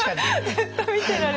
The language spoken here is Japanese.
ずっと見てられる。